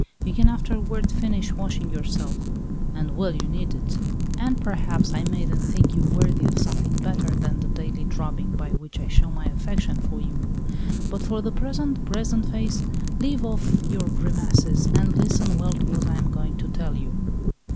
You can afterward finish washing yourself and well you need it and perhaps I may then think you worthy of something better than the daily drubbing by which I show my affection for you. But for the present, brazenface, leave off your grimaces, and listen well to what I am going to tell you."